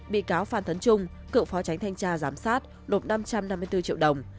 bị cáo phan thấn trung cựu phó tránh thanh tra giám sát nộp năm trăm năm mươi bốn triệu đồng